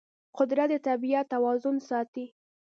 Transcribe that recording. قدرت د طبیعت توازن ساتي.